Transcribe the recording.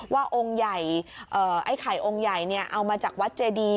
ว่าไอ้ไข่องค์ใหญ่เอามาจากวัดเจดี